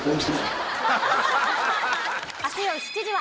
明日よる７時は！